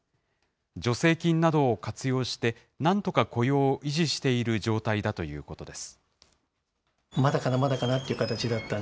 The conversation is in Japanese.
助成金などを活用して、なんとか雇用を維持している状態だということです。